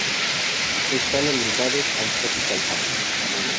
Están orientados al Tropical House.